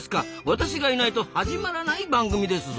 私がいないと始まらない番組ですぞ！